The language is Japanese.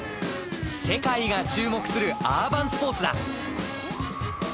世界が注目するアーバンスポーツだ。